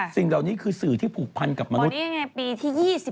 สิ่งเหล่านี้คือสื่อที่ผูกพันกับมนุษย์นี่ไงปีที่๒๐